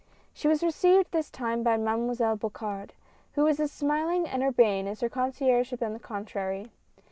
She was received this time by Mademoiselle Bocard, who was as smiling and urbane as her concierge had been the contrary.